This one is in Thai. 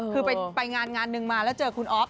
คือไปงานงานหนึ่งมาแล้วเจอคุณอ๊อฟ